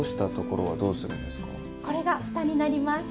これがふたになります。